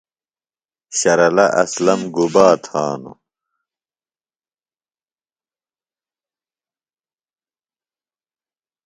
شرلہ اسلم گُبا تھا نوۡ؟